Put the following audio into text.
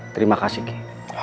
terima kasih ki